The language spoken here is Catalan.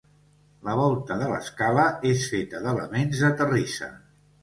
La volta de l'escala és feta d'elements de terrissa.